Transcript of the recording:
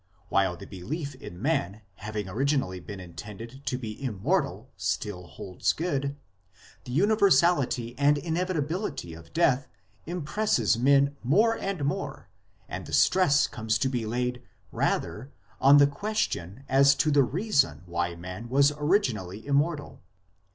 While the belief in man having originally been intended to be immortal still holds good, the universality and inevitability of death impresses men more and more, and the stress comes to be laid rather on the question as to the reason why man was originally immortal.